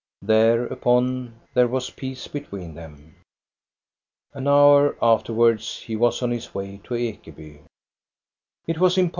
Thereupon there was peace between them. An hour afterwards he was on his way to Ekeby.